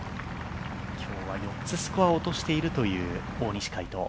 今日は４つスコアを落としているという大西魁斗。